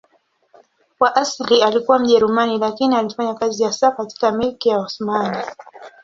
Kwa asili alikuwa Mjerumani lakini alifanya kazi hasa katika Milki ya Osmani.